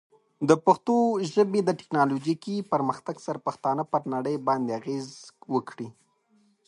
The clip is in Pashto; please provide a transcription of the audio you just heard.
د پښتو ژبې د ټیکنالوجیکي پرمختګ سره، پښتانه پر نړۍ باندې اغېز وکړي.